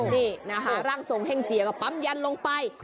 นี่นะคะร่างทรงเฮ่งเจียก็ปั๊มยันลงไป